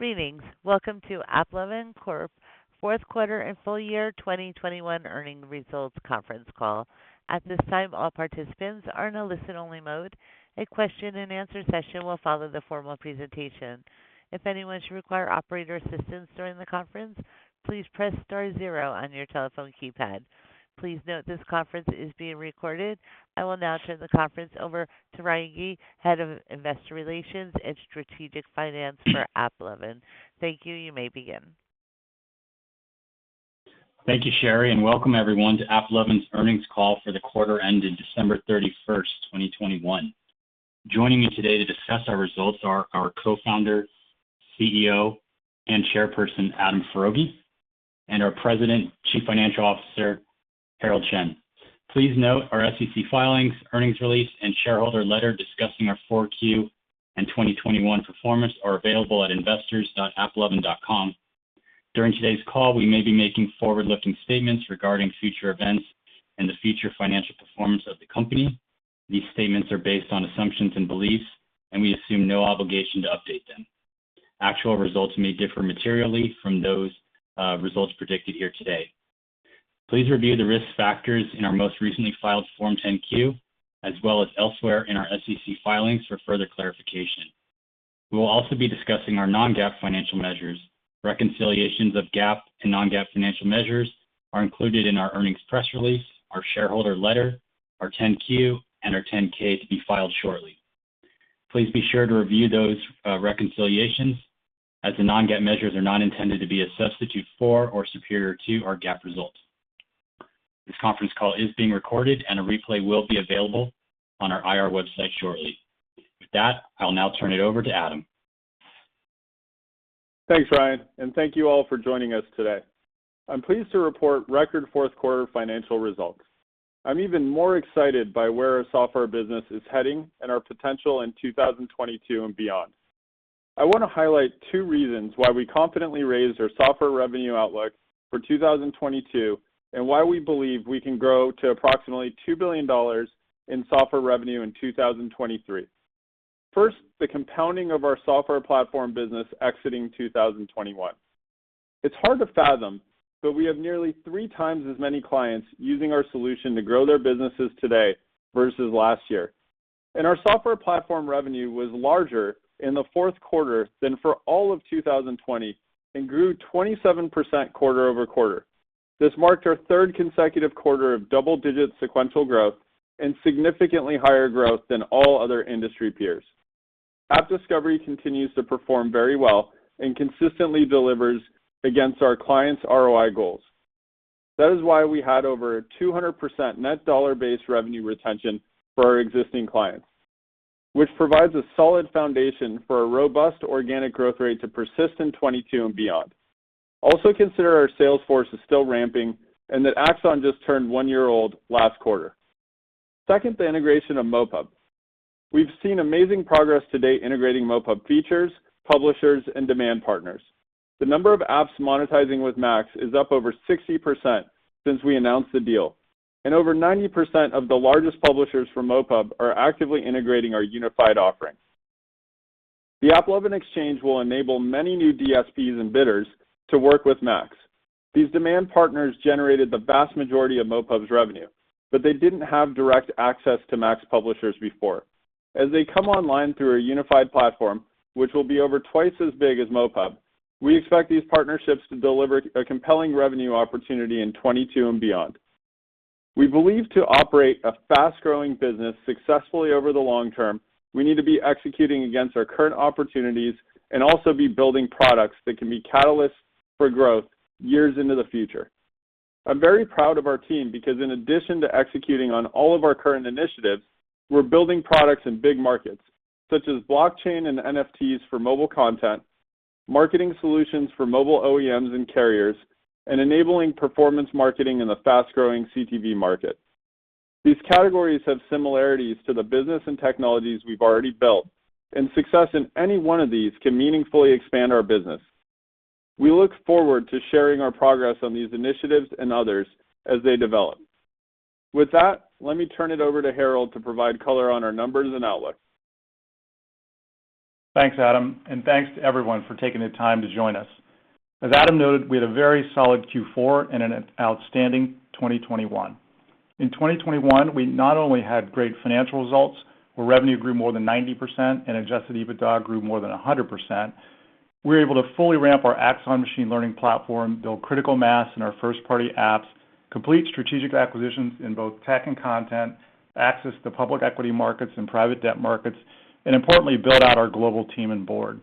Greetings. Welcome to AppLovin Corporation fourth quarter and full year 2021 earnings results conference call. At this time, all participants are in a listen-only mode. A question and answer session will follow the formal presentation. If anyone should require operator assistance during the conference, please press star zero on your telephone keypad. Please note this conference is being recorded. I will now turn the conference over to Ryan Gee, Head of Investor Relations and Strategic Finance for AppLovin. Thank you. You may begin. Thank you, Sherry, and welcome everyone to AppLovin's earnings call for the quarter ending December 31, 2021. Joining me today to discuss our results are our Co-founder, CEO, and Chairperson, Adam Foroughi, and our President, Chief Financial Officer, Herald Chen. Please note our SEC filings, earnings release, and shareholder letter discussing our Q4 and 2021 performance are available at investors.applovin.com. During today's call, we may be making forward-looking statements regarding future events and the future financial performance of the company. These statements are based on assumptions and beliefs, and we assume no obligation to update them. Actual results may differ materially from those results predicted here today. Please review the risk factors in our most recently filed Form 10-Q as well as elsewhere in our SEC filings for further clarification. We will also be discussing our non-GAAP financial measures. Reconciliations of GAAP and non-GAAP financial measures are included in our earnings press release, our shareholder letter, our 10-Q and our 10-K to be filed shortly. Please be sure to review those reconciliations as the non-GAAP measures are not intended to be a substitute for or superior to our GAAP results. This conference call is being recorded, and a replay will be available on our IR website shortly. With that, I'll now turn it over to Adam. Thanks, Ryan, and thank you all for joining us today. I'm pleased to report record fourth quarter financial results. I'm even more excited by where our software business is heading and our potential in 2022 and beyond. I want to highlight two reasons why we confidently raised our software revenue outlook for 2022 and why we believe we can grow to approximately $2 billion in software revenue in 2023. First, the compounding of our software platform business exiting 2021. It's hard to fathom, but we have nearly three times as many clients using our solution to grow their businesses today versus last year. Our software platform revenue was larger in the fourth quarter than for all of 2020 and grew 27% quarter-over-quarter. This marked our third consecutive quarter of double-digit sequential growth and significantly higher growth than all other industry peers. AppDiscovery continues to perform very well and consistently delivers against our clients' ROI goals. That is why we had over 200% net dollar-based revenue retention for our existing clients, which provides a solid foundation for a robust organic growth rate to persist in 2022 and beyond. Also consider our sales force is still ramping and that Axon just turned one year old last quarter. Second, the integration of MoPub. We've seen amazing progress to date integrating MoPub features, publishers, and demand partners. The number of apps monetizing with MAX is up over 60% since we announced the deal, and over 90% of the largest publishers from MoPub are actively integrating our unified offering. The AppLovin Exchange will enable many new DSPs and bidders to work with MAX. These demand partners generated the vast majority of MoPub's revenue, but they didn't have direct access to MAX publishers before. As they come online through our unified platform, which will be over twice as big as MoPub, we expect these partnerships to deliver a compelling revenue opportunity in 2022 and beyond. We believe to operate a fast-growing business successfully over the long term, we need to be executing against our current opportunities and also be building products that can be catalysts for growth years into the future. I'm very proud of our team because in addition to executing on all of our current initiatives, we're building products in big markets such as blockchain and NFTs for mobile content, marketing solutions for mobile OEMs and carriers, and enabling performance marketing in the fast-growing CTV market. These categories have similarities to the business and technologies we've already built, and success in any one of these can meaningfully expand our business. We look forward to sharing our progress on these initiatives and others as they develop. With that, let me turn it over to Herald to provide color on our numbers and outlook. Thanks, Adam, and thanks to everyone for taking the time to join us. As Adam noted, we had a very solid Q4 and an outstanding 2021. In 2021, we not only had great financial results, where revenue grew more than 90% and adjusted EBITDA grew more than 100%, we were able to fully ramp our Axon machine learning platform, build critical mass in our first-party apps, complete strategic acquisitions in both tech and content, access to public equity markets and private debt markets, and importantly, build out our global team and board.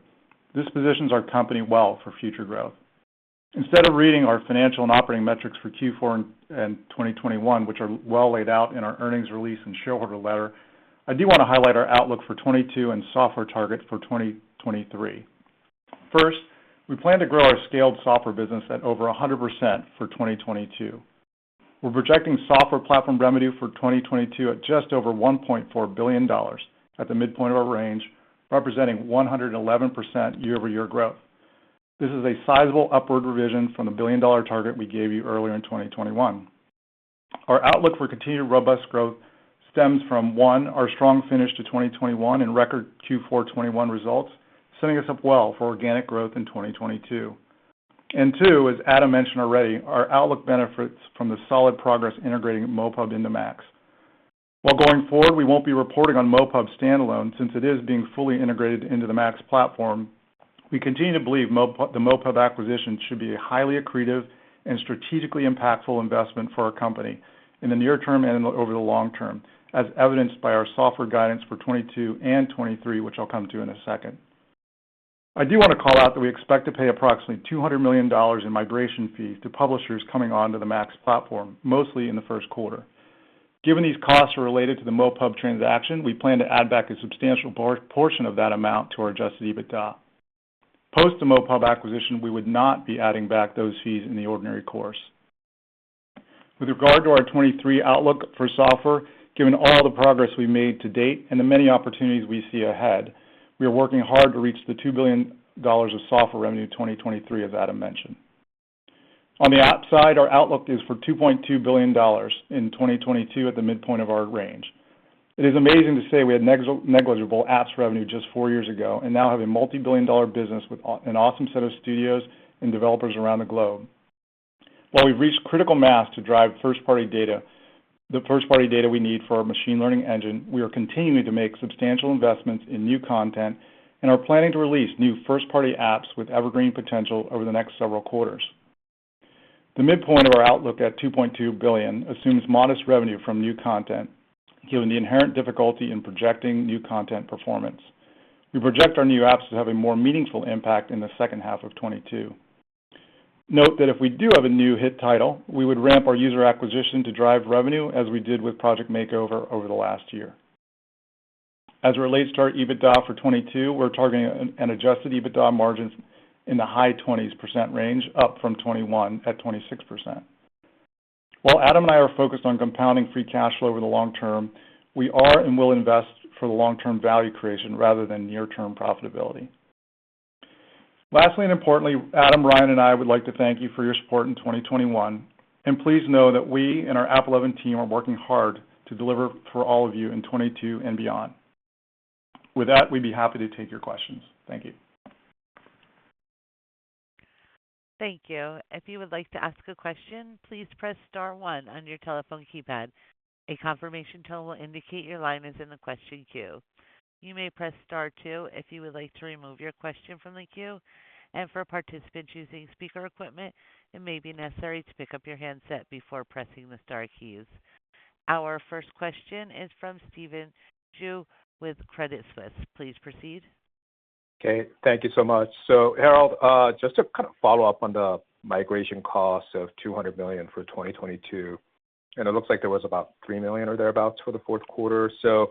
This positions our company well for future growth. Instead of reading our financial and operating metrics for Q4 and 2021, which are well laid out in our earnings release and shareholder letter, I do want to highlight our outlook for 2022 and software targets for 2023. First, we plan to grow our scaled software business at over 100% for 2022. We're projecting software platform revenue for 2022 at just over $1.4 billion at the midpoint of our range, representing 111% year-over-year growth. This is a sizable upward revision from the $1 billion target we gave you earlier in 2021. Our outlook for continued robust growth stems from, one, our strong finish to 2021 and record Q4 2021 results, setting us up well for organic growth in 2022. Two, as Adam mentioned already, our outlook benefits from the solid progress integrating MoPub into MAX. While going forward, we won't be reporting on MoPub standalone since it is being fully integrated into the MAX platform. We continue to believe the MoPub acquisition should be a highly accretive and strategically impactful investment for our company in the near term and over the long term, as evidenced by our software guidance for 2022 and 2023, which I'll come to in a second. I do wanna call out that we expect to pay approximately $200 million in migration fees to publishers coming onto the MAX platform, mostly in the first quarter. Given these costs are related to the MoPub transaction, we plan to add back a substantial portion of that amount to our adjusted EBITDA. Post the MoPub acquisition, we would not be adding back those fees in the ordinary course. With regard to our 2023 outlook for software, given all the progress we made to date and the many opportunities we see ahead, we are working hard to reach $2 billion of software revenue in 2023, as Adam mentioned. On the app side, our outlook is for $2.2 billion in 2022 at the midpoint of our range. It is amazing to say we had negligible apps revenue just four years ago and now have a multi-billion dollar business with an awesome set of studios and developers around the globe. While we've reached critical mass to drive first-party data, the first-party data we need for our machine learning engine, we are continuing to make substantial investments in new content and are planning to release new first-party apps with evergreen potential over the next several quarters. The midpoint of our outlook at $2.2 billion assumes modest revenue from new content, given the inherent difficulty in projecting new content performance. We project our new apps to have a more meaningful impact in the second half of 2022. Note that if we do have a new hit title, we would ramp our user acquisition to drive revenue as we did with Project Makeover over the last year. As it relates to our EBITDA for 2022, we're targeting an adjusted EBITDA margins in the high 20s% range, up from 2021 at 26%. While Adam and I are focused on compounding free cash flow over the long term, we are and will invest for the long-term value creation rather than near-term profitability. Lastly and importantly, Adam, Ryan, and I would like to thank you for your support in 2021, and please know that we and our AppLovin team are working hard to deliver for all of you in 2022 and beyond. With that, we'd be happy to take your questions. Thank you. Thank you. If you would like to ask a question, please press star one on your telephone keypad. A confirmation tone will indicate your line is in the question queue. You may press star two if you would like to remove your question from the queue. For participants using speaker equipment, it may be necessary to pick up your handset before pressing the star keys. Our first question is from Stephen Ju with Credit Suisse. Please proceed. Okay, thank you so much. Herald, just to kind of follow up on the migration costs of $200 million for 2022, and it looks like there was about $3 million or thereabouts for the fourth quarter. You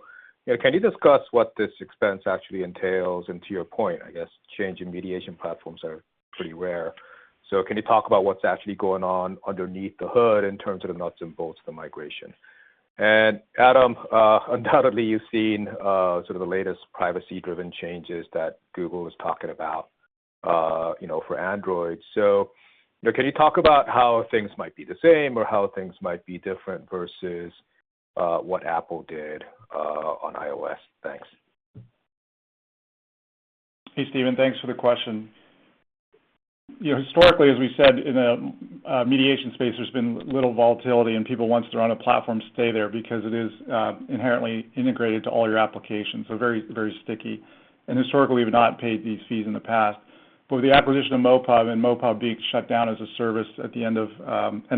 know, can you discuss what this expense actually entails? And to your point, I guess changing mediation platforms are pretty rare. Can you talk about what's actually going on underneath the hood in terms of the nuts and bolts of the migration? Adam, undoubtedly, you've seen sort of the latest privacy-driven changes that Google is talking about, you know, for Android. You know, can you talk about how things might be the same or how things might be different versus what Apple did on iOS? Thanks. Hey, Stephen. Thanks for the question. You know, historically, as we said, in the mediation space, there's been little volatility, and people, once they're on a platform, stay there because it is inherently integrated to all your applications, so very, very sticky. Historically, we've not paid these fees in the past. With the acquisition of MoPub and MoPub being shut down as a service at the end of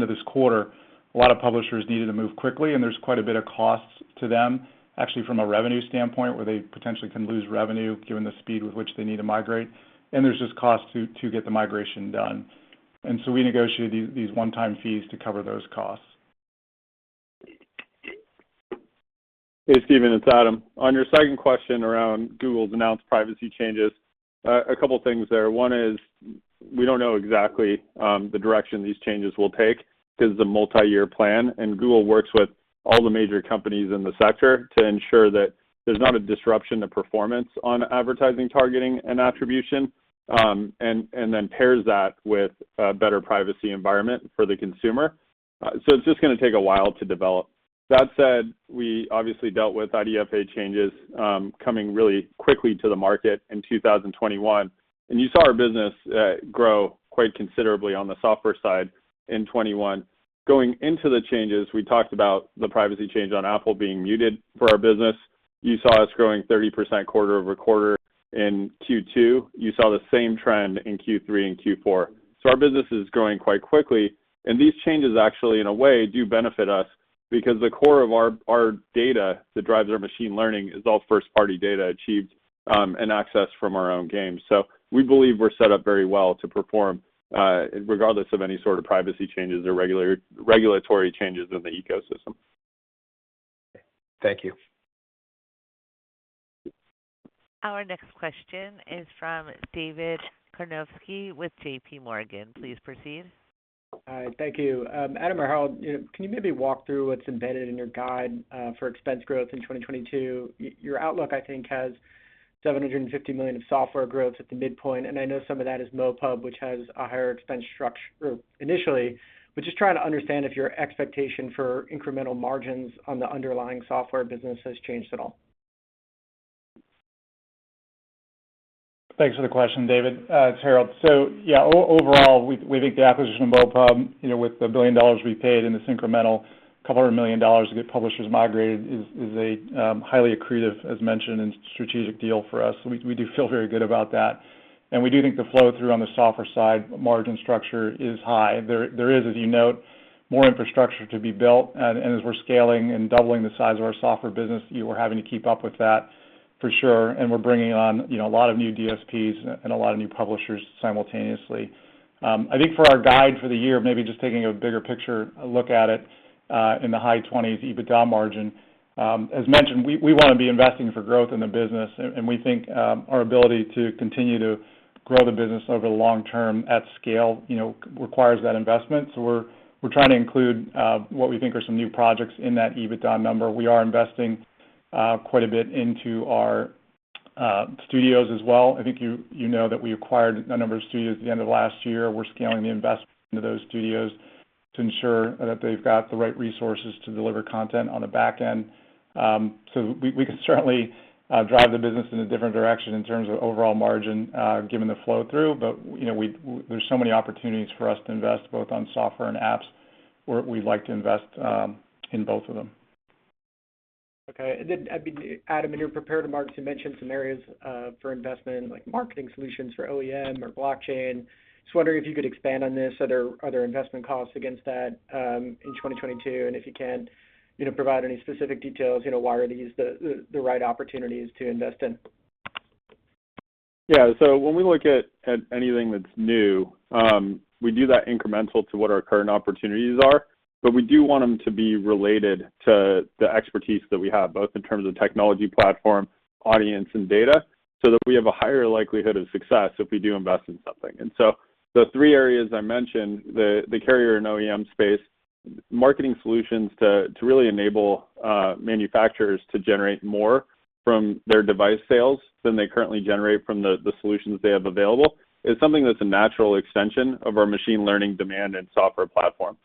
this quarter, a lot of publishers needed to move quickly, and there's quite a bit of cost to them, actually from a revenue standpoint, where they potentially can lose revenue given the speed with which they need to migrate. There's just cost to get the migration done. We negotiated these one-time fees to cover those costs. Hey, Stephen, it's Adam. On your second question around Google's announced privacy changes, a couple of things there. One is we don't know exactly the direction these changes will take because it's a multi-year plan, and Google works with all the major companies in the sector to ensure that there's not a disruption to performance on advertising targeting and attribution, and then pairs that with a better privacy environment for the consumer. So it's just gonna take a while to develop. That said, we obviously dealt with IDFA changes coming really quickly to the market in 2021, and you saw our business grow quite considerably on the software side in 2021. Going into the changes, we talked about the privacy change on Apple being muted for our business. You saw us growing 30% quarter-over-quarter in Q2. You saw the same trend in Q3 and Q4. Our business is growing quite quickly, and these changes actually, in a way, do benefit us because the core of our data that drives our machine learning is all first-party data achieved and accessed from our own games. We believe we're set up very well to perform regardless of any sort of privacy changes or regulatory changes in the ecosystem. Thank you. Our next question is from David Karnovsky with JPMorgan. Please proceed. All right. Thank you. Adam or Herald, you know, can you maybe walk through what's embedded in your guide for expense growth in 2022? Your outlook, I think, has $750 million of software growth at the midpoint, and I know some of that is MoPub, which has a higher expense structure initially. Just trying to understand if your expectation for incremental margins on the underlying software business has changed at all. Thanks for the question, David. It's Herald. Yeah, overall, we think the acquisition of MoPub, you know, with the $1 billion we paid and this incremental $200 million to get publishers migrated is a highly accretive, as mentioned, and strategic deal for us. We do feel very good about that. We do think the flow through on the software side margin structure is high. There is, as you note, more infrastructure to be built. As we're scaling and doubling the size of our software business, we're having to keep up with that for sure, and we're bringing on, you know, a lot of new DSPs and a lot of new publishers simultaneously. I think for our guide for the year, maybe just taking a bigger picture look at it, in the high 20s% EBITDA margin. As mentioned, we wanna be investing for growth in the business and we think our ability to continue to grow the business over the long term at scale, you know, requires that investment. So we're trying to include what we think are some new projects in that EBITDA number. We are investing quite a bit into our studios as well. I think you know that we acquired a number of studios at the end of last year. We're scaling the investment into those studios to ensure that they've got the right resources to deliver content on the back end. We can certainly drive the business in a different direction in terms of overall margin, given the flow through. You know, there's so many opportunities for us to invest both on software and apps. We like to invest in both of them. Okay. I mean, Adam, in your prepared remarks, you mentioned some areas for investment, like marketing solutions for OEM or blockchain. Just wondering if you could expand on this. Are there investment costs against that in 2022? And if you can, you know, provide any specific details, you know, why are these the right opportunities to invest in? Yeah. When we look at anything that's new, we do that incremental to what our current opportunities are. We do want them to be related to the expertise that we have, both in terms of technology platform, audience, and data, so that we have a higher likelihood of success if we do invest in something. The three areas I mentioned, the carrier and OEM space, marketing solutions to really enable manufacturers to generate more from their device sales than they currently generate from the solutions they have available, is something that's a natural extension of our machine learning demand and software platform.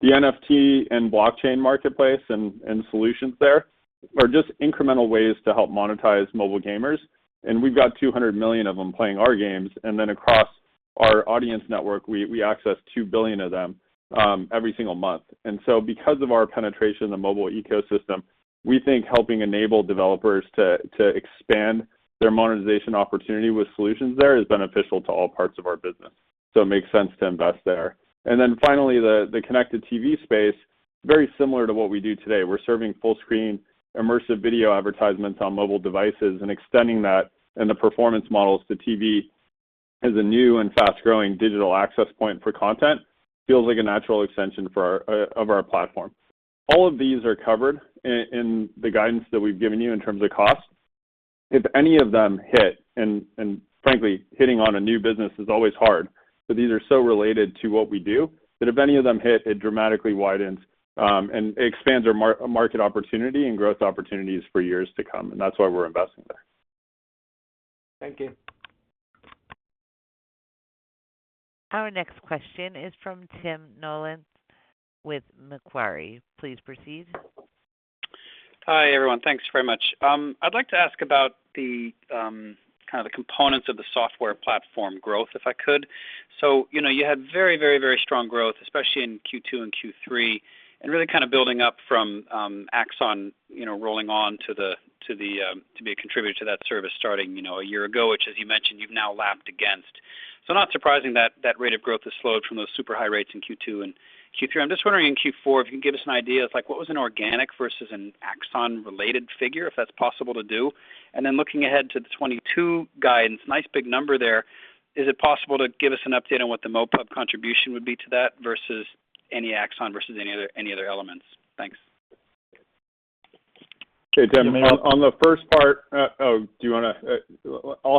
The NFT and blockchain marketplace and solutions there are just incremental ways to help monetize mobile gamers, and we've got 200 million of them playing our games. Across our audience network, we access 2 billion of them every single month. Because of our penetration in the mobile ecosystem, we think helping enable developers to expand their monetization opportunity with solutions there is beneficial to all parts of our business, so it makes sense to invest there. Finally, the connected TV space, very similar to what we do today. We're serving full screen immersive video advertisements on mobile devices and extending that and the performance models to TV as a new and fast-growing digital access point for content feels like a natural extension for our platform. All of these are covered in the guidance that we've given you in terms of cost. If any of them hit, frankly, hitting on a new business is always hard, but these are so related to what we do that if any of them hit, it dramatically widens and expands our market opportunity and growth opportunities for years to come, and that's why we're investing there. Thank you. Our next question is from Tim Nollen with Macquarie. Please proceed. Hi, everyone. Thanks very much. I'd like to ask about the kind of the components of the software platform growth, if I could. You know, you had very strong growth, especially in Q2 and Q3, and really kind of building up from Axon, you know, rolling on to be a contributor to that service starting, you know, a year ago, which as you mentioned, you've now lapped against. Not surprising that that rate of growth has slowed from those super high rates in Q2 and Q3. I'm just wondering in Q4, if you can give us an idea of like what was an organic versus an Axon related figure, if that's possible to do. Then looking ahead to the 2022 guidance, nice big number there. Is it possible to give us an update on what the MoPub contribution would be to that versus Axon versus any other elements? Thanks. Okay, Tim. On the first part. I'll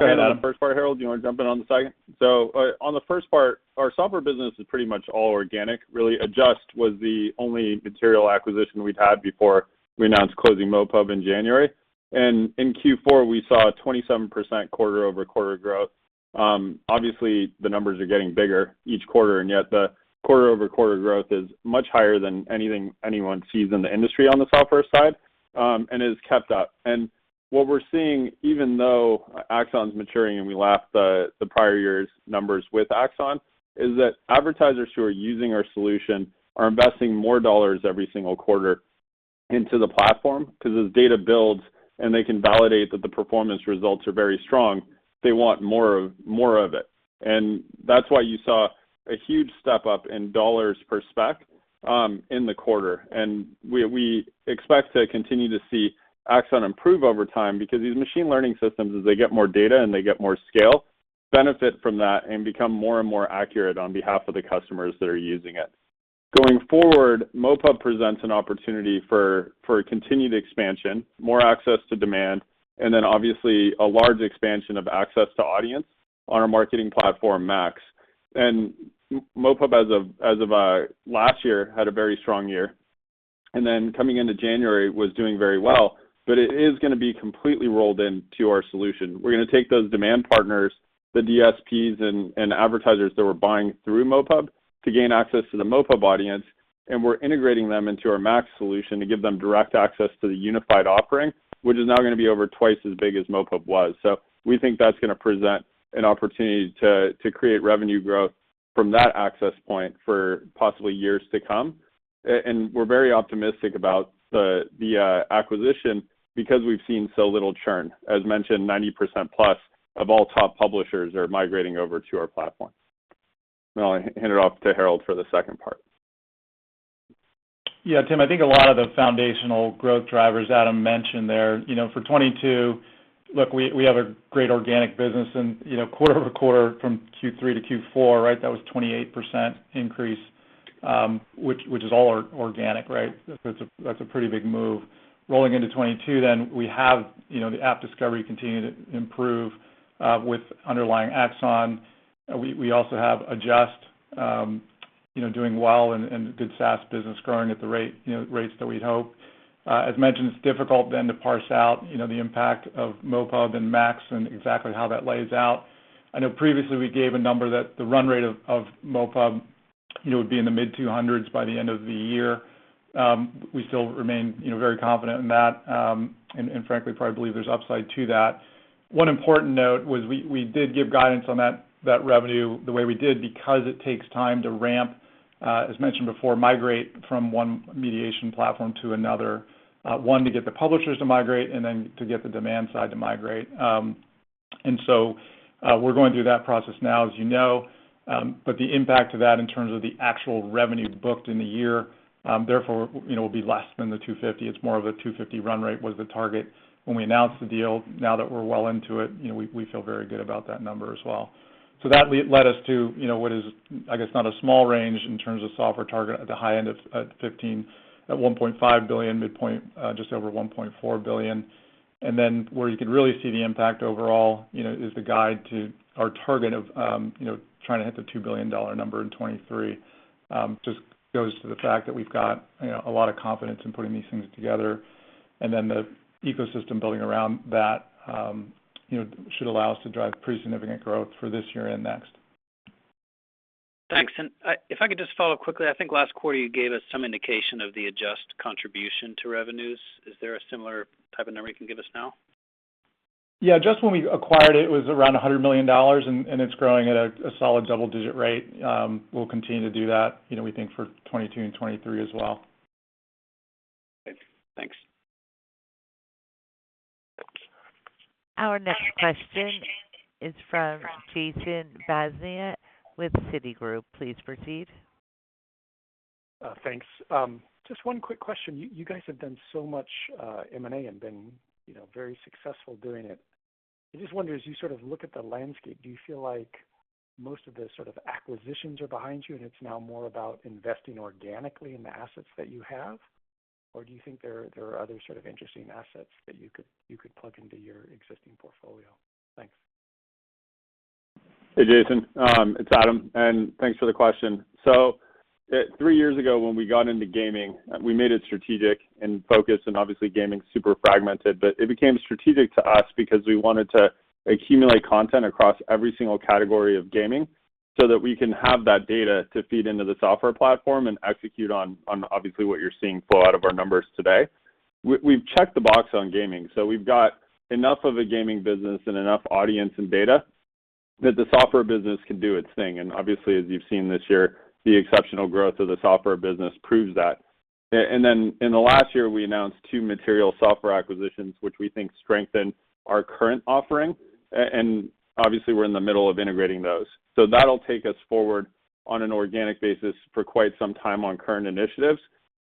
handle the first part, Herald. Do you wanna jump in on the second? On the first part, our software business is pretty much all organic. Really, Adjust was the only material acquisition we'd had before we announced closing MoPub in January. In Q4, we saw a 27% quarter-over-quarter growth. Obviously, the numbers are getting bigger each quarter, and yet the quarter-over-quarter growth is much higher than anything anyone sees in the industry on the software side, and has kept up. What we're seeing, even though Axon's maturing and we lap the prior year's numbers with Axon, is that advertisers who are using our solution are investing more dollars every single quarter into the platform because as data builds and they can validate that the performance results are very strong, they want more of it. That's why you saw a huge step up in dollars per SPEC, in the quarter. We expect to continue to see Axon improve over time because these machine learning systems, as they get more data and they get more scale, benefit from that and become more and more accurate on behalf of the customers that are using it. Going forward, MoPub presents an opportunity for continued expansion, more access to demand, and then obviously a large expansion of access to audience on our marketing platform, MAX. MoPub as of last year had a very strong year, and then coming into January was doing very well, but it is gonna be completely rolled into our solution. We're gonna take those demand partners, the DSPs and advertisers that were buying through MoPub to gain access to the MoPub audience. We're integrating them into our MAX solution to give them direct access to the unified offering, which is now gonna be over twice as big as MoPub was. We think that's gonna present an opportunity to create revenue growth from that access point for possibly years to come. We're very optimistic about the acquisition because we've seen so little churn. As mentioned, 90% plus of all top publishers are migrating over to our platform. I'll hand it off to Herald for the second part. Yeah, Tim, I think a lot of the foundational growth drivers Adam mentioned there, you know, for 2022. Look, we have a great organic business and, you know, quarter-over-quarter from Q3 to Q4, right, that was 28% increase, which is all organic, right? That's a pretty big move. Rolling into 2022 then, we have, you know, AppDiscovery continuing to improve with underlying Axon. We also have Adjust, you know, doing well and good SaaS business growing at the rates that we'd hope. As mentioned, it's difficult then to parse out, you know, the impact of MoPub and MAX and exactly how that lays out. I know previously we gave a number that the run rate of MoPub, you know, would be in the mid-$200s by the end of the year. We still remain, you know, very confident in that and frankly probably believe there's upside to that. One important note was we did give guidance on that revenue the way we did because it takes time to ramp, as mentioned before, migrate from one mediation platform to another to get the publishers to migrate, and then to get the demand side to migrate. We're going through that process now, as you know. The impact of that in terms of the actual revenue booked in the year, therefore, you know, will be less than the $250. It's more of a $250 million run rate was the target when we announced the deal. Now that we're well into it, you know, we feel very good about that number as well. That led us to, you know, what is, I guess, not a small range in terms of software target at the high end of $1.5 billion, midpoint just over $1.4 billion. Where you could really see the impact overall, you know, is the guide to our target of trying to hit the $2 billion number in 2023. Just goes to the fact that we've got, you know, a lot of confidence in putting these things together. The ecosystem building around that, you know, should allow us to drive pretty significant growth for this year and next. Thanks. If I could just follow quickly, I think last quarter you gave us some indication of the Adjust contribution to revenues. Is there a similar type of number you can give us now? Yeah. Just when we acquired it was around $100 million, and it's growing at a solid double-digit rate. We'll continue to do that, you know, we think for 2022 and 2023 as well. Okay, thanks. Our next question is from Jason Bazinet with Citigroup. Please proceed. Thanks. Just one quick question. You guys have done so much M&A and been, you know, very successful doing it. I just wonder, as you sort of look at the landscape, do you feel like most of the sort of acquisitions are behind you and it's now more about investing organically in the assets that you have? Or do you think there are other sort of interesting assets that you could plug into your existing portfolio? Thanks. Hey, Jason. It's Adam, and thanks for the question. Three years ago, when we got into gaming, we made it strategic in focus, and obviously gaming's super fragmented. It became strategic to us because we wanted to accumulate content across every single category of gaming so that we can have that data to feed into the software platform and execute on obviously what you're seeing flow out of our numbers today. We've checked the box on gaming, so we've got enough of a gaming business and enough audience and data that the software business can do its thing. Obviously, as you've seen this year, the exceptional growth of the software business proves that. Then in the last year, we announced two material software acquisitions, which we think strengthen our current offering. Obviously we're in the middle of integrating those. That'll take us forward on an organic basis for quite some time on current initiatives.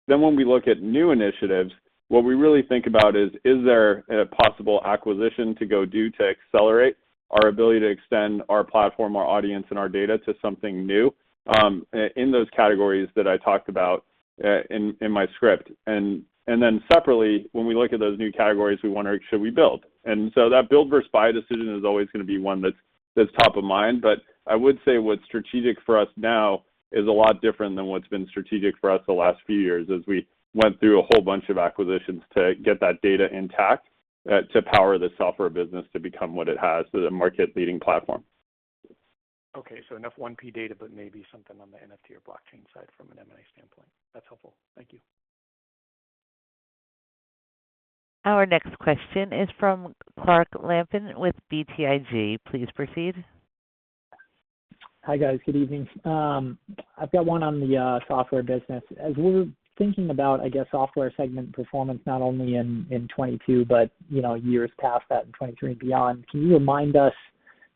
When we look at new initiatives, what we really think about is there a possible acquisition to go do to accelerate our ability to extend our platform, our audience, and our data to something new, in those categories that I talked about, in my script. Then separately, when we look at those new categories, we wonder should we build? That build versus buy decision is always gonna be one that's top of mind. I would say what's strategic for us now is a lot different than what's been strategic for us the last few years as we went through a whole bunch of acquisitions to get that data intact, to power the software business to become what it has, the market-leading platform. Okay. Enough 1P data, but maybe something on the NFT or blockchain side from an M&A standpoint. That's helpful. Thank you. Our next question is from Clark Lampen with BTIG. Please proceed. Hi, guys. Good evening. I've got one on the software business. As we're thinking about, I guess, software segment performance not only in 2022 but, you know, years past that in 2023 and beyond, can you remind us,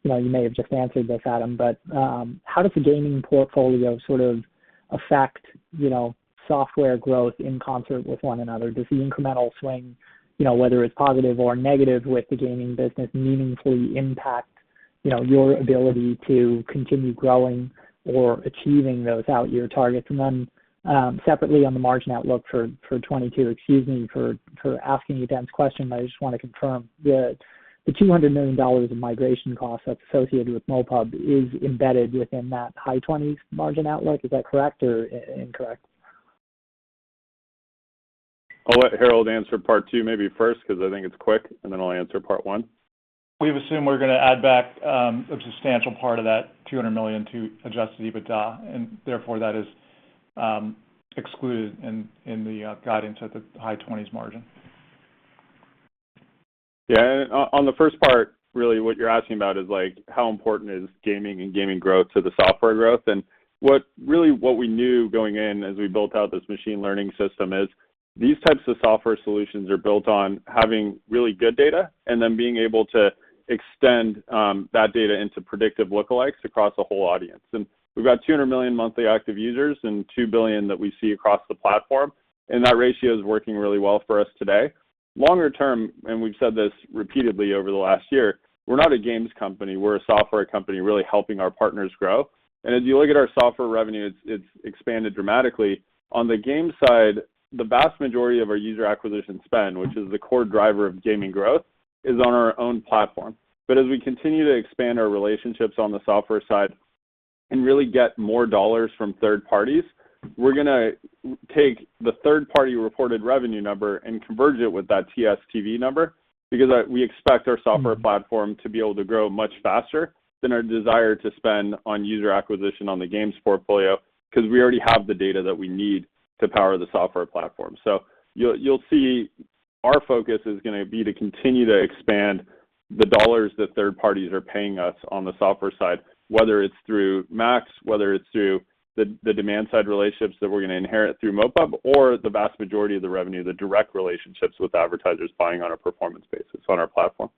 you know, you may have just answered this, Adam, but how does the gaming portfolio sort of affect, you know, software growth in concert with one another? Does the incremental swing, you know, whether it's positive or negative with the gaming business meaningfully impact, you know, your ability to continue growing or achieving those out-year targets? Then, separately on the margin outlook for 2022, excuse me for asking a dense question, but I just wanna confirm the $200 million of migration costs that's associated with MoPub is embedded within that high 20s% margin outlook. Is that correct or incorrect? I'll let Herald answer part two maybe first, 'cause I think it's quick, and then I'll answer part one. We've assumed we're gonna add back a substantial part of that $200 million to adjusted EBITDA, and therefore that is excluded in the guidance at the high 20s% margin. Yeah. On the first part, really what you're asking about is like how important is gaming and gaming growth to the software growth? Really what we knew going in as we built out this machine learning system is these types of software solutions are built on having really good data and then being able to extend that data into predictive lookalikes across a whole audience. We've got 200 million monthly active users and 2 billion that we see across the platform, and that ratio is working really well for us today. Longer term, we've said this repeatedly over the last year, we're not a games company. We're a software company really helping our partners grow. As you look at our software revenue, it's expanded dramatically. On the games side, the vast majority of our user acquisition spend, which is the core driver of gaming growth, is on our own platform. As we continue to expand our relationships on the software side and really get more dollars from third parties, we're gonna take the third party reported revenue number and converge it with that TSTV number because we expect our software platform to be able to grow much faster than our desire to spend on user acquisition on the games portfolio, 'cause we already have the data that we need to power the software platform. You'll see our focus is gonna be to continue to expand the dollars that third parties are paying us on the software side, whether it's through MAX, whether it's through the demand side relationships that we're gonna inherit through MoPub or the vast majority of the revenue, the direct relationships with advertisers buying on a performance basis on our platform.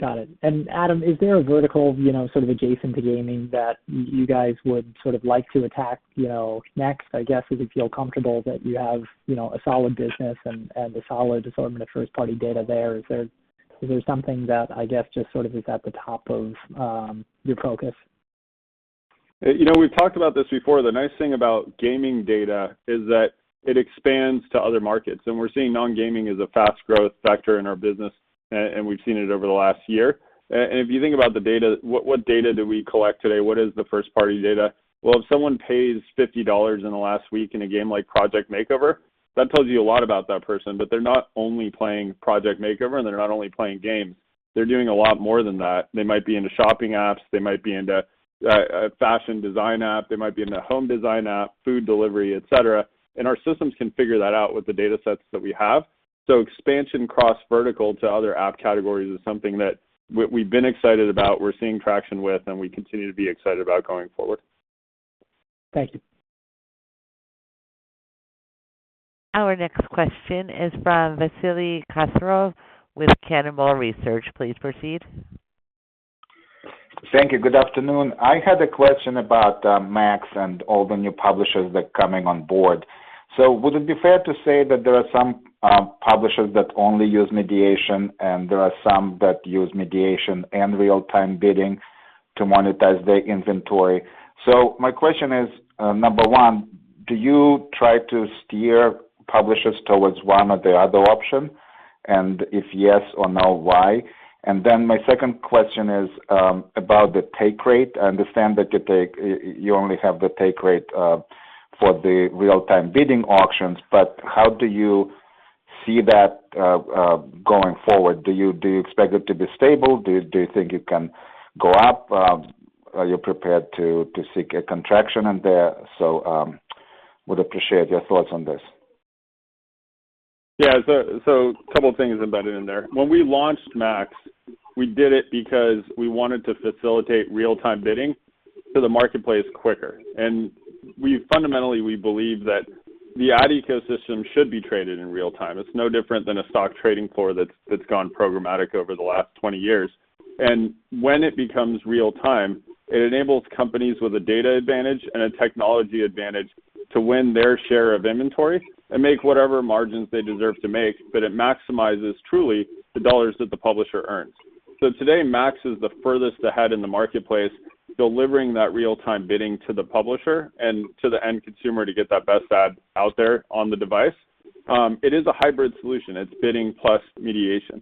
Got it. Adam, is there a vertical, you know, sort of adjacent to gaming that you guys would sort of like to attack, you know, next? I guess as you feel comfortable that you have, you know, a solid business and a solid assortment of first-party data there, is there something that I guess just sort of is at the top of your focus? You know, we've talked about this before. The nice thing about gaming data is that it expands to other markets, and we're seeing non-gaming as a fast growth factor in our business. We've seen it over the last year. If you think about the data, what data do we collect today? What is the first-party data? Well, if someone pays $50 in the last week in a game like Project Makeover, that tells you a lot about that person. But they're not only playing Project Makeover, and they're not only playing games. They're doing a lot more than that. They might be into shopping apps. They might be into a fashion design app. They might be in the home design app, food delivery, et cetera. Our systems can figure that out with the datasets that we have. Expansion cross-vertical to other app categories is something that we've been excited about, we're seeing traction with, and we continue to be excited about going forward. Thank you. Our next question is from Vasily Karasyov with Cannonball Research. Please proceed. Thank you. Good afternoon. I had a question about MAX and all the new publishers that are coming on board. Would it be fair to say that there are some publishers that only use mediation, and there are some that use mediation and real-time bidding to monetize their inventory? My question is, number one, do you try to steer publishers towards one or the other option? And if yes or no, why? My second question is about the take rate. I understand that you only have the take rate for the real-time bidding auctions, but how do you see that going forward? Do you expect it to be stable? Do you think it can go up? Are you prepared to seek a contraction in there? Would appreciate your thoughts on this. Couple things embedded in there. When we launched MAX, we did it because we wanted to facilitate real-time bidding to the marketplace quicker. We fundamentally believe that the ad ecosystem should be traded in real time. It's no different than a stock trading floor that's gone programmatic over the last 20 years. When it becomes real time, it enables companies with a data advantage and a technology advantage to win their share of inventory and make whatever margins they deserve to make, but it maximizes truly the dollars that the publisher earns. Today, MAX is the furthest ahead in the marketplace, delivering that real-time bidding to the publisher and to the end consumer to get that best ad out there on the device. It is a hybrid solution. It's bidding plus mediation.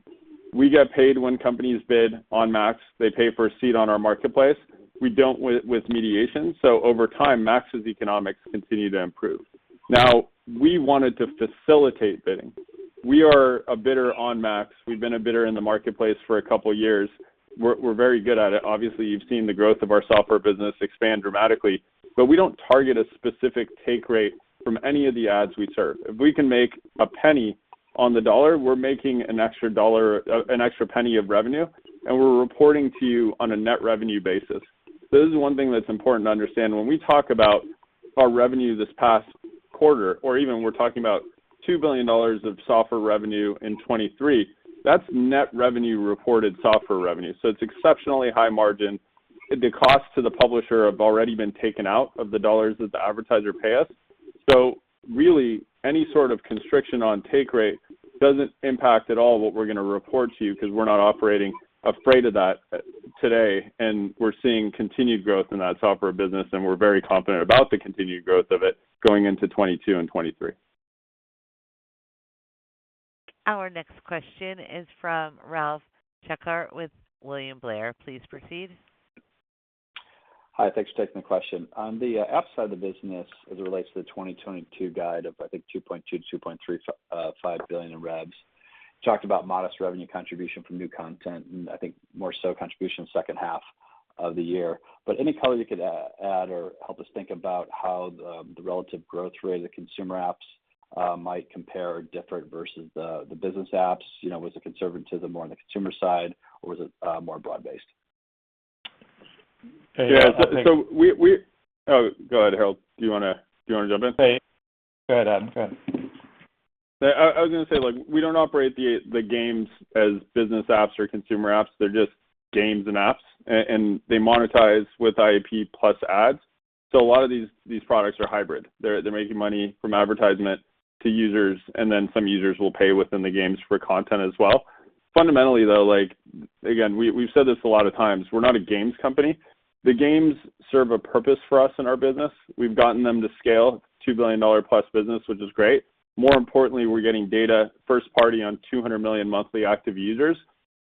We get paid when companies bid on MAX. They pay for a seat on our marketplace. We don't with mediation. Over time, MAX's economics continue to improve. Now, we wanted to facilitate bidding. We are a bidder on MAX. We've been a bidder in the marketplace for a couple years. We're very good at it. Obviously, you've seen the growth of our software business expand dramatically. We don't target a specific take rate from any of the ads we serve. If we can make a penny on the dollar, we're making an extra penny of revenue, and we're reporting to you on a net revenue basis. This is one thing that's important to understand. When we talk about our revenue this past quarter or even when we're talking about $2 billion of software revenue in 2023, that's net revenue reported software revenue. It's exceptionally high margin. The costs to the publisher have already been taken out of the dollars that the advertiser pay us. Really, any sort of constriction on take rate doesn't impact at all what we're gonna report to you because we're not operating afraid of that today, and we're seeing continued growth in that software business, and we're very confident about the continued growth of it going into 2022 and 2023. Our next question is from Ralph Schackart with William Blair. Please proceed. Hi, thanks for taking the question. On the app side of the business as it relates to the 2022 guide of, I think 2.2-2.3, $5 billion in revs. Talked about modest revenue contribution from new content, and I think more so contribution second half of the year. Any color you could add or help us think about how the relative growth rate of the consumer apps might compare differently versus the business apps, you know, was the conservatism more on the consumer side or was it more broad-based? Yeah. Oh, go ahead, Herald. Do you wanna jump in? Hey. Go ahead, Adam. Go ahead. I was gonna say, look, we don't operate the games as business apps or consumer apps. They're just games and apps and they monetize with IAP plus ads. A lot of these products are hybrid. They're making money from advertisement to users, and then some users will pay within the games for content as well. Fundamentally though, like, again, we've said this a lot of times, we're not a games company. The games serve a purpose for us in our business. We've gotten them to scale, $2 billion plus business, which is great. More importantly, we're getting first-party data on 200 million monthly active users.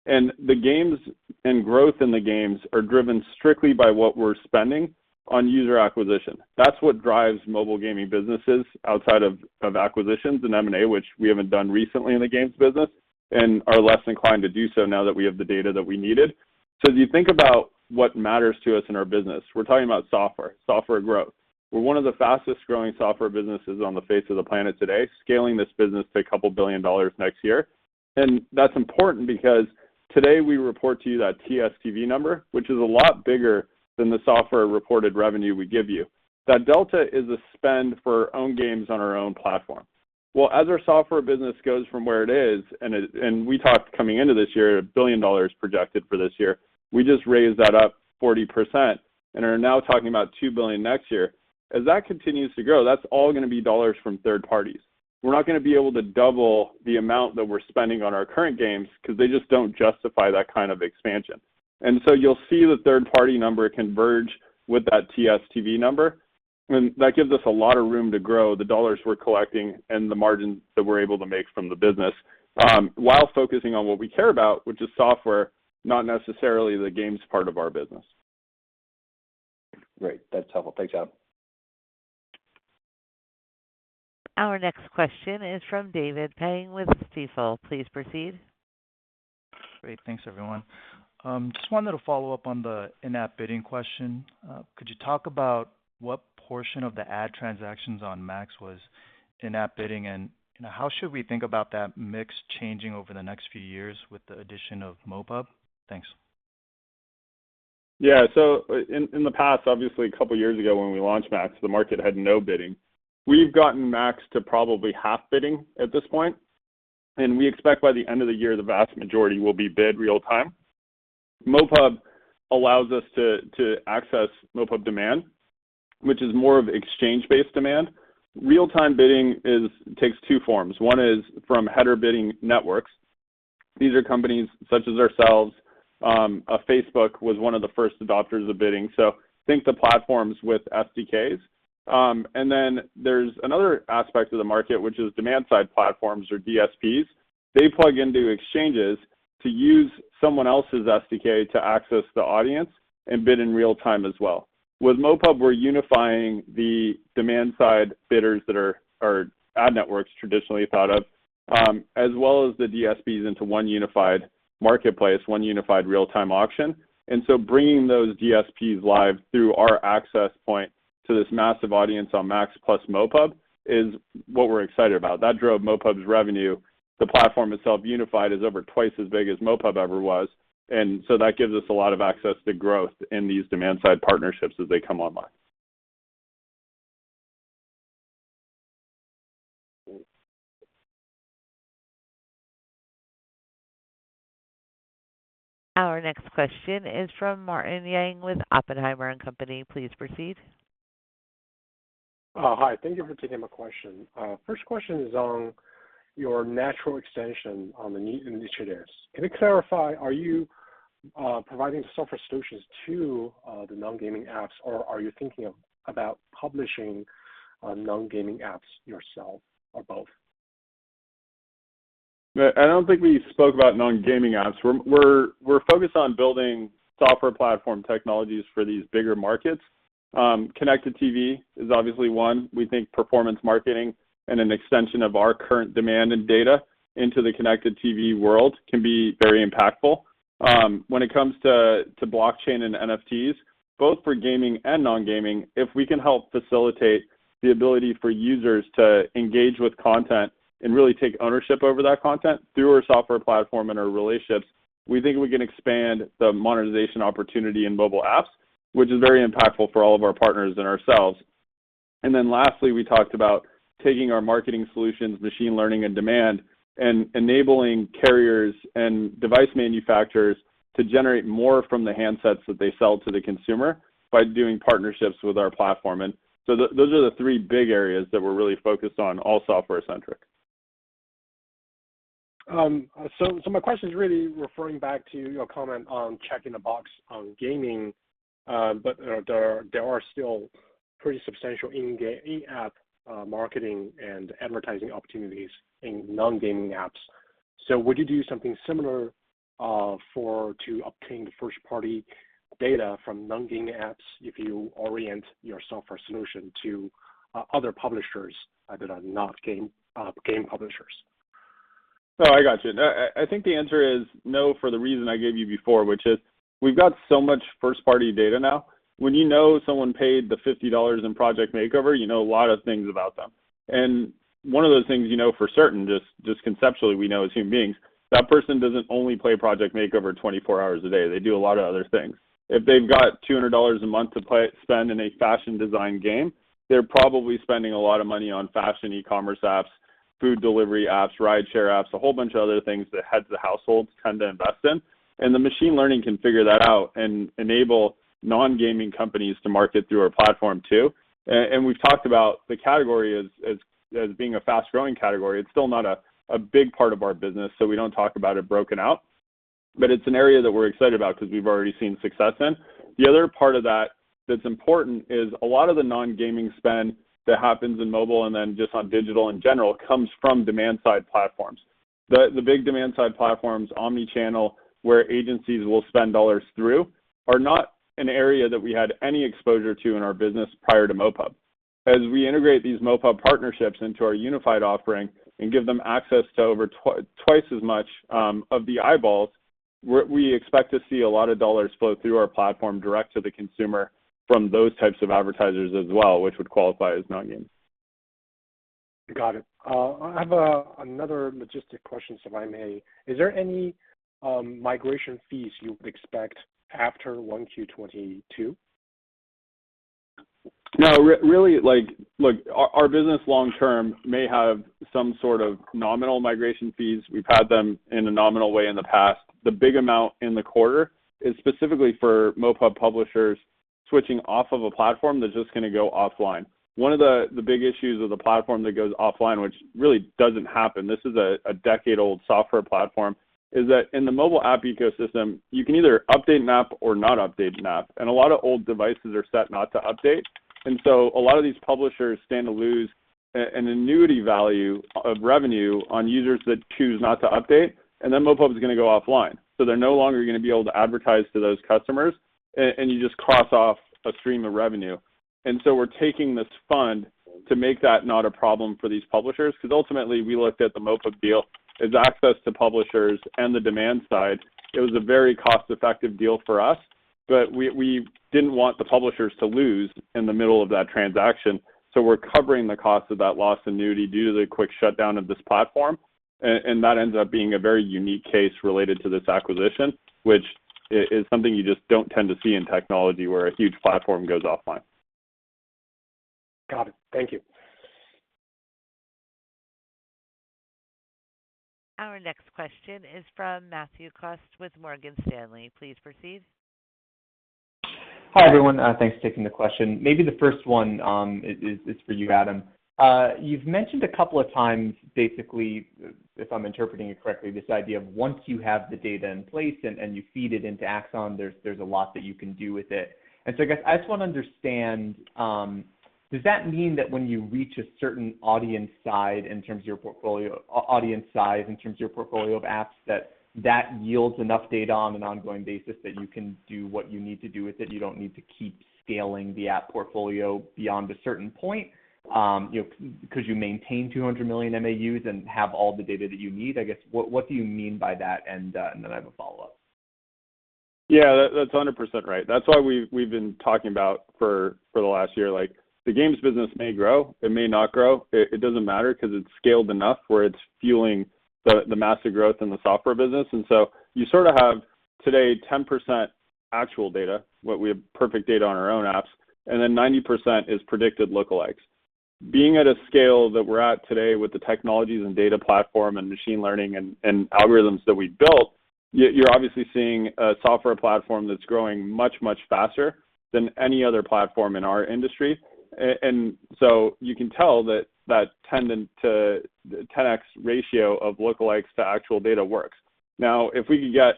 The games and growth in the games are driven strictly by what we're spending on user acquisition. That's what drives mobile gaming businesses outside of acquisitions and M&A, which we haven't done recently in the games business and are less inclined to do so now that we have the data that we needed. As you think about what matters to us in our business, we're talking about software growth. We're one of the fastest-growing software businesses on the face of the planet today, scaling this business to a couple billion dollars next year. That's important because today we report to you that TSTV number, which is a lot bigger than the software reported revenue we give you. That delta is a spend for our own games on our own platform. Well, as our software business goes from where it is, we talked coming into this year, $1 billion projected for this year. We just raised that up 40% and are now talking about $2 billion next year. As that continues to grow, that's all gonna be dollars from third parties. We're not gonna be able to double the amount that we're spending on our current games because they just don't justify that kind of expansion. You'll see the third-party number converge with that TSTV number, and that gives us a lot of room to grow the dollars we're collecting and the margins that we're able to make from the business while focusing on what we care about, which is software, not necessarily the games part of our business. Great. That's helpful. Thanks, Adam. Our next question is from David Pang with Stifel. Please proceed. Great. Thanks everyone. Just one little follow-up on the in-app bidding question. Could you talk about what portion of the ad transactions on MAX was in-app bidding, and, you know, how should we think about that mix changing over the next few years with the addition of MoPub? Thanks. In the past, obviously a couple of years ago when we launched MAX, the market had no bidding. We've gotten MAX to probably half bidding at this point, and we expect by the end of the year, the vast majority will be bid real-time. MoPub allows us to access MoPub demand, which is more of exchange-based demand. Real-time bidding takes two forms. One is from header bidding networks. These are companies such as ourselves. Facebook was one of the first adopters of bidding. Think the platforms with SDKs. Then there's another aspect to the market, which is demand-side platforms or DSPs. They plug into exchanges to use someone else's SDK to access the audience and bid in real-time as well. With MoPub, we're unifying the demand-side bidders that are ad networks traditionally thought of, as well as the DSPs into one unified marketplace, one unified real-time auction. Bringing those DSPs live through our access point to this massive audience on MAX plus MoPub is what we're excited about. That drove MoPub's revenue. The platform itself unified is over twice as big as MoPub ever was. That gives us a lot of access to growth in these demand-side partnerships as they come online. Our next question is from Martin Yang with Oppenheimer & Co. Please proceed. Oh, hi. Thank you for taking my question. First question is on your natural extension on the non-gaming initiatives. Can you clarify, are you providing software solutions to the non-gaming apps, or are you thinking about publishing non-gaming apps yourself or both? I don't think we spoke about non-gaming apps. We're focused on building software platform technologies for these bigger markets. Connected TV is obviously one. We think performance marketing and an extension of our current demand and data into the connected TV world can be very impactful. When it comes to blockchain and NFTs, both for gaming and non-gaming, if we can help facilitate the ability for users to engage with content and really take ownership over that content through our software platform and our relationships, we think we can expand the monetization opportunity in mobile apps, which is very impactful for all of our partners and ourselves. Lastly, we talked about taking our marketing solutions, machine learning and demand, and enabling carriers and device manufacturers to generate more from the handsets that they sell to the consumer by doing partnerships with our platform. Those are the three big areas that we're really focused on, all software centric. My question is really referring back to your comment on checking the box on gaming, but there are still pretty substantial in-app marketing and advertising opportunities in non-gaming apps. Would you do something similar for to obtain first-party data from non-game apps if you orient your software solution to other publishers that are not game publishers? No, I got you. No, I think the answer is no for the reason I gave you before, which is we've got so much first-party data now. When you know someone paid the $50 in Project Makeover, you know a lot of things about them. One of those things you know for certain, just conceptually, we know as human beings, that person doesn't only play Project Makeover 24 hours a day. They do a lot of other things. If they've got $200 a month to play it, spend in a fashion design game, they're probably spending a lot of money on fashion e-commerce apps, food delivery apps, rideshare apps, a whole bunch of other things that heads of households tend to invest in. The machine learning can figure that out and enable non-gaming companies to market through our platform too. We've talked about the category as being a fast-growing category. It's still not a big part of our business, so we don't talk about it broken out, but it's an area that we're excited about because we've already seen success in. The other part of that that's important is a lot of the non-gaming spend that happens in mobile and then just on digital in general comes from demand-side platforms. The big demand-side platforms, omni-channel, where agencies will spend dollars through, are not an area that we had any exposure to in our business prior to MoPub. As we integrate these MoPub partnerships into our unified offering and give them access to over twice as much of the eyeballs, we expect to see a lot of dollars flow through our platform direct to the consumer from those types of advertisers as well, which would qualify as non-games. Got it. I have another logistics question, if I may. Is there any migration fees you would expect after 1Q 2022? No. Really, like, look, our business long term may have some sort of nominal migration fees. We've had them in a nominal way in the past. The big amount in the quarter is specifically for MoPub publishers switching off of a platform that's just going to go offline. One of the big issues of the platform that goes offline, which really doesn't happen, this is a decade-old software platform, is that in the mobile app ecosystem, you can either update an app or not update an app, and a lot of old devices are set not to update. A lot of these publishers stand to lose an annuity value of revenue on users that choose not to update, and then MoPub is going to go offline, so they're no longer going to be able to advertise to those customers, and you just cross off a stream of revenue. We're taking this fund to make that not a problem for these publishers, because ultimately, we looked at the MoPub deal as access to publishers and the demand side. It was a very cost-effective deal for us, but we didn't want the publishers to lose in the middle of that transaction. We're covering the cost of that loss annuity due to the quick shutdown of this platform. That ends up being a very unique case related to this acquisition, which is something you just don't tend to see in technology, where a huge platform goes offline. Got it. Thank you. Our next question is from Matthew Cost with Morgan Stanley. Please proceed. Hi, everyone. Thanks for taking the question. Maybe the first one is for you, Adam. You've mentioned a couple of times, basically, if I'm interpreting it correctly, this idea of once you have the data in place and you feed it into Axon, there's a lot that you can do with it. I guess I just want to understand, does that mean that when you reach a certain audience size in terms of your portfolio of apps, that yields enough data on an ongoing basis that you can do what you need to do with it? You don't need to keep scaling the app portfolio beyond a certain point, you know, could you maintain 200 million MAUs and have all the data that you need? I guess, what do you mean by that? Then I have a follow-up. Yeah, that's 100% right. That's why we've been talking about for the last year, like, the games business may grow, it may not grow. It doesn't matter because it's scaled enough where it's fueling the massive growth in the software business. You sort of have today 10% actual data, what we have perfect data on our own apps, and then 90% is predicted lookalikes. Being at a scale that we're at today with the technologies and data platform and machine learning and algorithms that we've built, you're obviously seeing a software platform that's growing much faster than any other platform in our industry. You can tell that 10-to-10x ratio of lookalikes to actual data works. Now, if we could get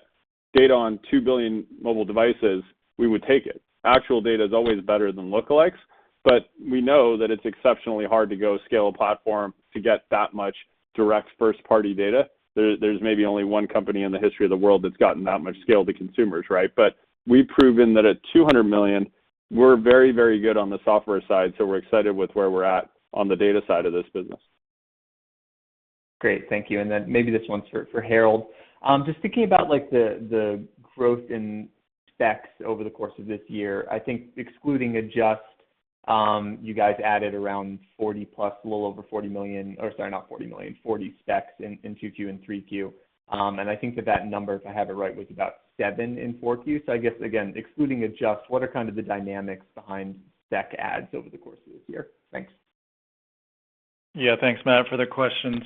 data on 2 billion mobile devices, we would take it. Actual data is always better than lookalikes, but we know that it's exceptionally hard to go scale a platform to get that much direct first-party data. There's maybe only one company in the history of the world that's gotten that much scale to consumers, right? But we've proven that at 200 million we're very, very good on the software side. We're excited with where we're at on the data side of this business. Great. Thank you. Then maybe this one's for Herald. Just thinking about like the growth in SPEC over the course of this year. I think excluding Adjust, you guys added around 40+, a little over 40 SPEC in 2Q and 3Q. I think that number, if I have it right, was about 7 in 4Q. I guess again, excluding Adjust, what are kind of the dynamics behind SPEC adds over the course of this year? Thanks. Yeah. Thanks, Matt, for the questions.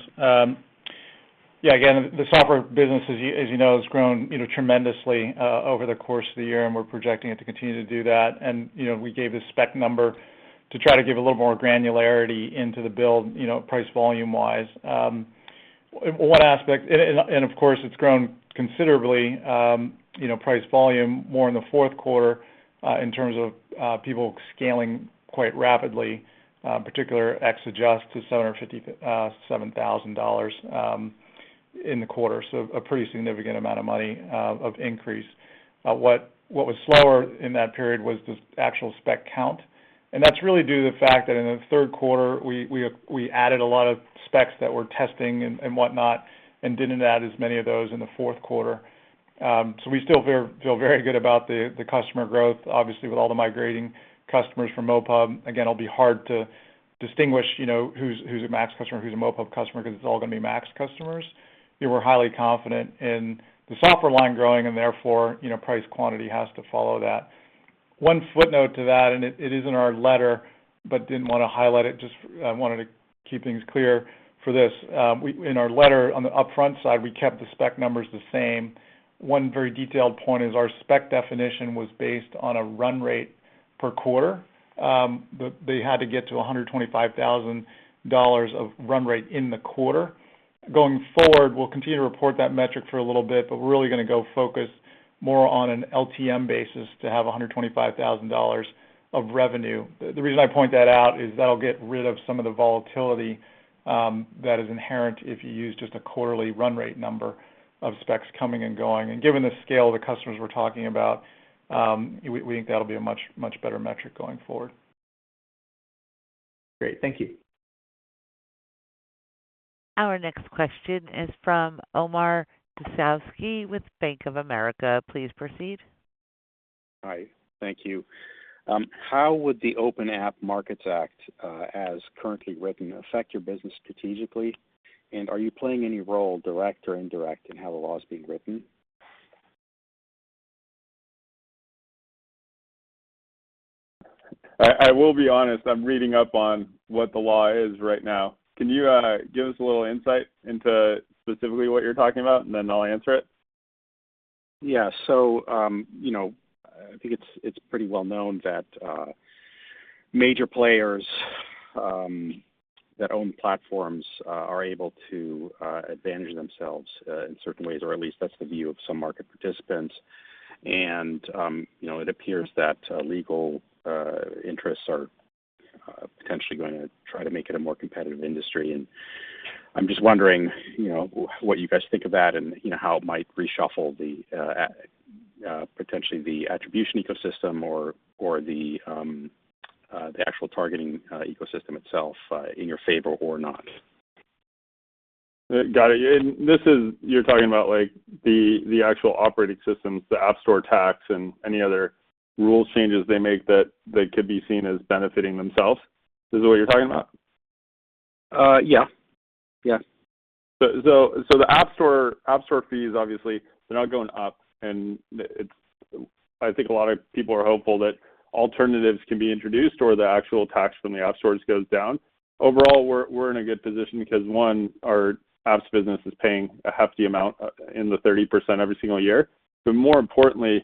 Yeah, again, the software business, as you know, has grown, you know, tremendously over the course of the year, and we're projecting it to continue to do that. You know, we gave the SPEC number to try to give a little more granularity into the build, you know, price volume-wise. One aspect and of course, it's grown considerably, you know, price volume more in the fourth quarter, in terms of people scaling quite rapidly, particularly Adjust to $757,000 in the quarter, a pretty significant amount of money of increase. What was slower in that period was the actual spec count. That's really due to the fact that in the third quarter we added a lot of specs that we're testing and whatnot, and didn't add as many of those in the fourth quarter. We still feel very good about the customer growth. Obviously, with all the migrating customers from MoPub, again, it'll be hard to distinguish, you know, who's a MAX customer, who's a MoPub customer, 'cause it's all gonna be MAX customers. We were highly confident in the software line growing and therefore, you know, price quantity has to follow that. One footnote to that, and it is in our letter, but didn't wanna highlight it, just wanted to keep things clear for this. In our letter on the upfront side, we kept the spec numbers the same. One very detailed point is our spec definition was based on a run rate per quarter, that they had to get to $125,000 of run rate in the quarter. Going forward, we'll continue to report that metric for a little bit, but we're really gonna go focus more on an LTM basis to have $125,000 of revenue. The reason I point that out is that'll get rid of some of the volatility, that is inherent if you use just a quarterly run rate number of specs coming and going. Given the scale of the customers we're talking about, we think that'll be a much better metric going forward. Great. Thank you. Our next question is from Omar Dessouky with Bank of America. Please proceed. Hi. Thank you. How would the Open App Markets Act, as currently written, affect your business strategically? Are you playing any role, direct or indirect, in how the law is being written? I will be honest, I'm reading up on what the law is right now. Can you give us a little insight into specifically what you're talking about, and then I'll answer it? Yeah, you know, I think it's pretty well known that major players that own platforms are able to advantage themselves in certain ways, or at least that's the view of some market participants. You know, it appears that legal interests are potentially going to try to make it a more competitive industry. I'm just wondering, you know, what you guys think of that and, you know, how it might reshuffle potentially the attribution ecosystem or the actual targeting ecosystem itself in your favor or not. Got it. You're talking about, like, the actual operating systems, the App Store tax, and any other rule changes they make that could be seen as benefiting themselves? Is this what you're talking about? Yeah. Yeah. The App Store fees, obviously, they're not going up, and it's. I think a lot of people are hopeful that alternatives can be introduced or the actual tax from the App Store just goes down. Overall, we're in a good position because one, our apps business is paying a hefty amount in the 30% every single year. More importantly,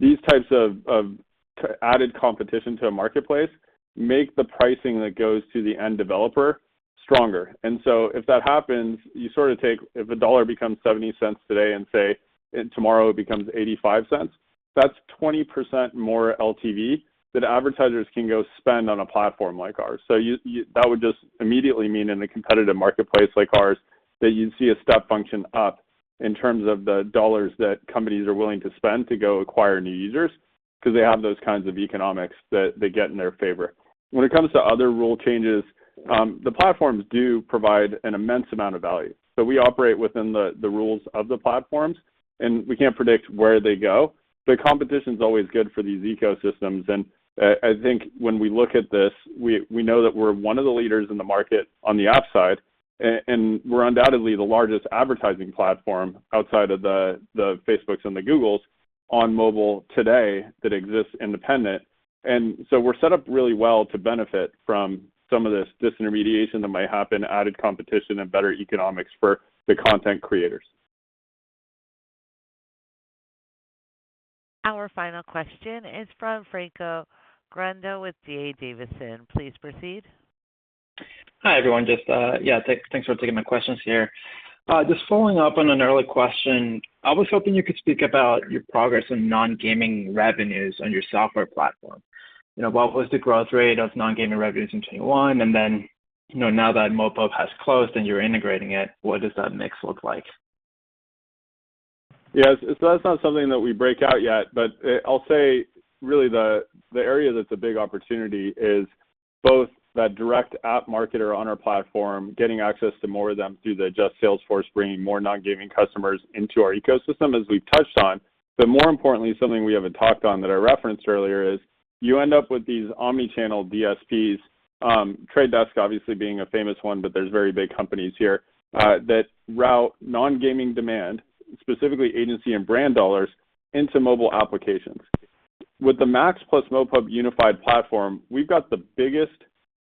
these types of added competition to a marketplace make the pricing that goes to the end developer stronger. If that happens, if $1 becomes $0.70 today and, say, tomorrow it becomes $0.85, that's 20% more LTV that advertisers can go spend on a platform like ours. That would just immediately mean in a competitive marketplace like ours, that you'd see a step function up in terms of the dollars that companies are willing to spend to go acquire new users because they have those kinds of economics that they get in their favor. When it comes to other rule changes, the platforms do provide an immense amount of value. We operate within the rules of the platforms, and we can't predict where they go. Competition's always good for these ecosystems, and I think when we look at this, we know that we're one of the leaders in the market on the app side, and we're undoubtedly the largest advertising platform outside of the Facebooks and the Googles on mobile today that exists independent. We're set up really well to benefit from some of this disintermediation that might happen, added competition, and better economics for the content creators. Our final question is from Franco Granda with D.A. Davidson. Please proceed. Hi, everyone. Just thanks for taking my questions here. Just following up on an earlier question, I was hoping you could speak about your progress in non-gaming revenues on your software platform. You know, what was the growth rate of non-gaming revenues in 2021? And then, you know, now that MoPub has closed and you're integrating it, what does that mix look like? Yes. That's not something that we break out yet, but I'll say really the area that's a big opportunity is both the direct app marketer on our platform, getting access to more of them through the Adjust sales force, bringing more non-gaming customers into our ecosystem, as we've touched on. More importantly, something we haven't talked about that I referenced earlier is you end up with these omni-channel DSPs, The Trade Desk obviously being a famous one, but there's very big companies here that route non-gaming demand, specifically agency and brand dollars, into mobile applications. With the MAX plus MoPub unified platform, we've got the biggest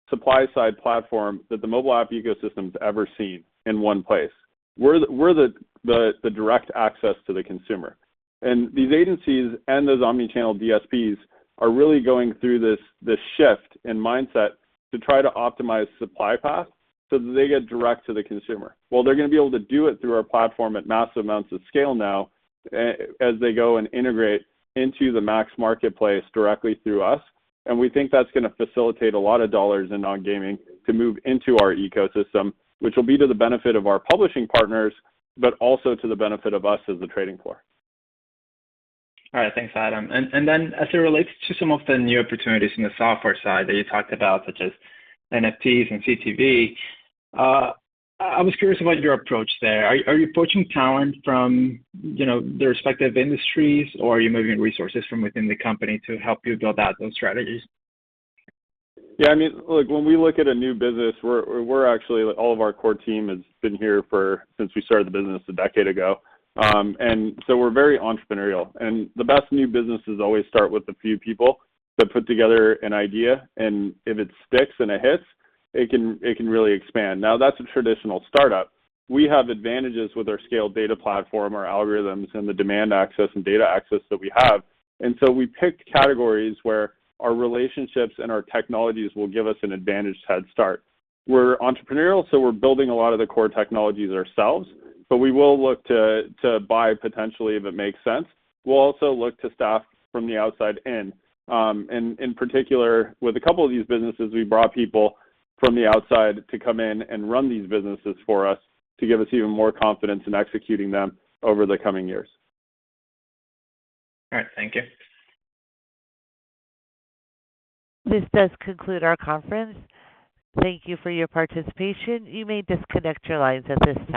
supply side platform that the mobile app ecosystem's ever seen in one place. We're the direct access to the consumer. These agencies and those omni-channel DSPs are really going through this shift in mindset to try to optimize supply paths so that they get direct to the consumer. Well, they're gonna be able to do it through our platform at massive amounts of scale now as they go and integrate into the MAX marketplace directly through us, and we think that's gonna facilitate a lot of dollars in non-gaming to move into our ecosystem, which will be to the benefit of our publishing partners, but also to the benefit of us as the trading floor. All right. Thanks, Adam. As it relates to some of the new opportunities in the software side that you talked about, such as NFTs and CTV, I was curious about your approach there. Are you poaching talent from, you know, the respective industries, or are you moving resources from within the company to help you build out those strategies? Yeah, I mean, look, when we look at a new business, we're actually all of our core team has been here for since we started the business a decade ago. We're very entrepreneurial. The best new businesses always start with a few people that put together an idea. If it sticks and it hits, it can really expand. Now, that's a traditional startup. We have advantages with our scaled data platform, our algorithms, and the demand access and data access that we have. We pick categories where our relationships and our technologies will give us an advantage head start. We're entrepreneurial, so we're building a lot of the core technologies ourselves, but we will look to buy potentially if it makes sense. We'll also look to staff from the outside in. In particular, with a couple of these businesses, we brought people from the outside to come in and run these businesses for us to give us even more confidence in executing them over the coming years. All right. Thank you. This does conclude our conference. Thank you for your participation. You may disconnect your lines at this time.